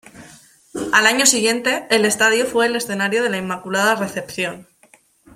Al año siguiente, el estadio fue el escenario de la Inmaculada Recepción.